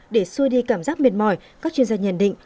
để xuôi đi cảm giác mệt mỏi các chuyên gia nhận định